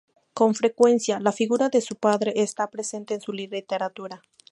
Con frecuencia la figura de su padre está presente en su literatura.